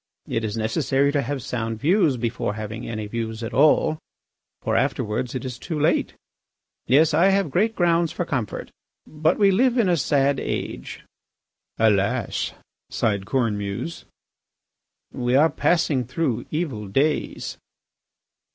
It is necessary to have sound views before having any views at all, for afterwards it is too late. ... Yes, I have great grounds for comfort. But we live in a sad age." "Alas!" sighed Cornemuse. "We are passing through evil days.